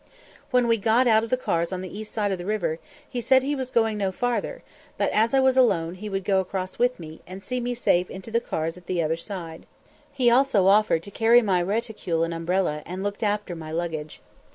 When we got out of the cars on the east side of the river, he said he was going no farther, but, as I was alone, he would go across with me, and see me safe into the cars on the other side. He also offered to carry my reticule and umbrella, and look after my luggage.